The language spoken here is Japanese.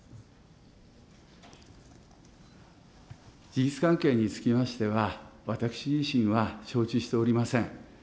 事実関係につきましては、私自身は承知しておりません。